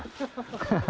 ハハハ